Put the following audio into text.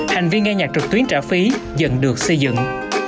hành vi nghe nhạc trực tuyến trả phí dần được xây dựng